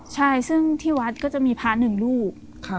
ใช่ซึ่งที่วัดก็จะมีพระหนึ่งลูก